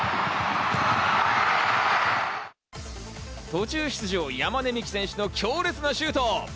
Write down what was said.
途中出場、山根視来選手の強烈なシュート。